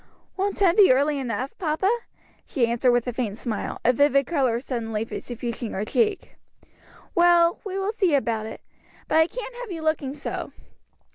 "Won't ten be early enough, papa?" she answered with a faint smile, a vivid color suddenly suffusing her cheek. "Well, we will see about it. But I can't have you looking so.